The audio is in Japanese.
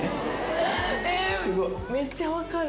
えめっちゃ分かる。